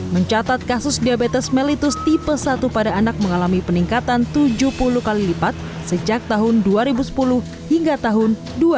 mencatat kasus diabetes mellitus tipe satu pada anak mengalami peningkatan tujuh puluh kali lipat sejak tahun dua ribu sepuluh hingga tahun dua ribu dua